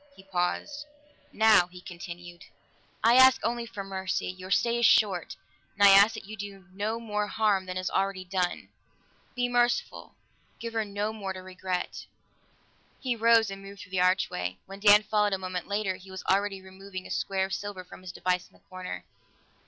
He paused. "Now," he continued, "I ask only for mercy; your stay is short, and I ask that you do no more harm than is already done. Be merciful; give her no more to regret." He rose and moved through the archway; when Dan followed a moment later, he was already removing a square of silver from his device in the corner.